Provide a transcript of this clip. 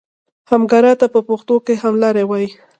همګرا ته په پښتو کې هملاری وایي.